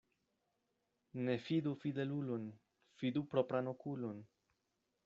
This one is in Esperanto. Ne fidu fidelulon, fidu propran okulon.